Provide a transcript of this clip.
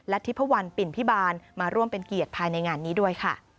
ทิพวันปิ่นพิบาลมาร่วมเป็นเกียรติภายในงานนี้ด้วยค่ะ